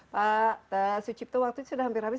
pak sucipto waktunya sudah hampir habis